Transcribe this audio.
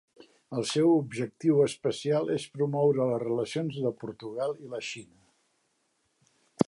El seu objectiu especial és promoure les relacions de Portugal i la Xina.